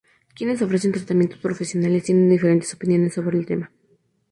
Quienes ofrecen tratamientos profesionales tienen diferentes opiniones sobre este tema.